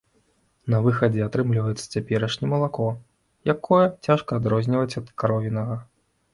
На выхадзе атрымліваецца цяперашні малако, якое цяжка адрозніць ад каровінага.